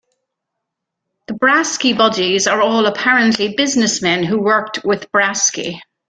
The Brasky Buddies are all apparently businessmen who worked with Brasky.